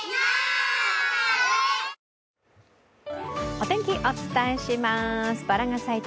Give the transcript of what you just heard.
お天気、お伝えします